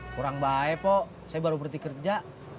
kurang baik pau saya baru pergi kerja